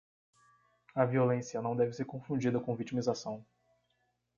A violência não deve ser confundida com vitimização